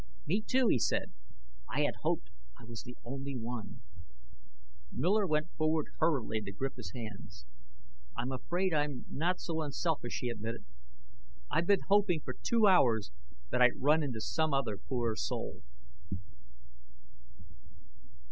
"You, too!" he said. "I had hoped I was the only one " Miller went forward hurriedly to grip his hand. "I'm afraid I'm not so unselfish," he admitted. "I've been hoping for two hours that I'd run into some other poor soul."